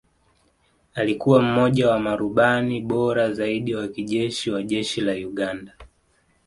Alikuwa mmoja wa marubani bora zaidi wa kijeshi wa Jeshi la Uganda